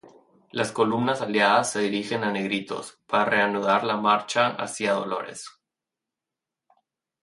Las columnas aliadas se dirigen a Negritos, para reanudar la marcha hacia Dolores.